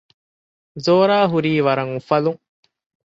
ޒޯރާ ހުރީ ވަރަށް އުފަލުން